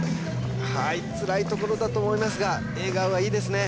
はいつらいところだと思いますが笑顔がいいですね